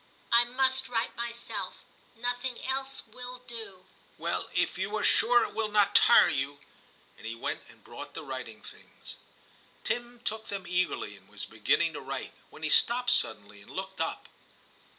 I must write myself; nothing else will do.' 'Well, if you are sure it will not tire you.' And he went and brought the writing things. Tim took them eagerly, and was beginning to write, when he stopped suddenly and looked up.